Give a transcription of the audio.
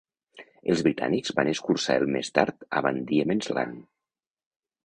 Els britànics van escurçar el més tard a Van Diemen's Land.